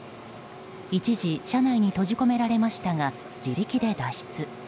一時、車内に閉じ込められましたが自力で脱出。